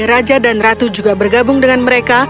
raja dan ratu juga bergabung dengan mereka